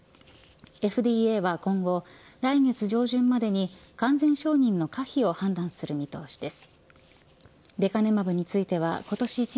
ＦＤＡは今後、来月上旬までに完全承認の可否を判断する見通しです。